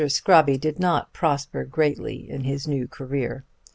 Scrobby did not prosper greatly in his new career.